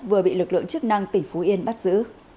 vừa bị lực lượng chức năng tỉnh phú yên bắt giữ